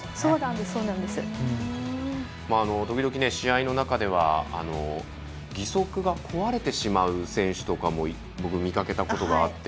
ときどき、試合の中では義足が壊れてしまう選手とかも僕、見かけたことがあって。